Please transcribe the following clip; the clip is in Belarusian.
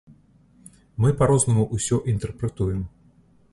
Мы па-рознаму ўсё інтэрпрэтуем.